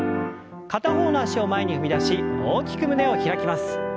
片方の脚を前に踏み出し大きく胸を開きます。